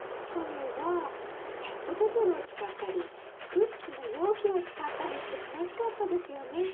去年はペットボトルを使ったりクッキーの容器を使ったりして楽しかったですよね。